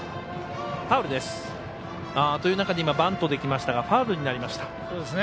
という中で今、バントできましたがファウルになりました。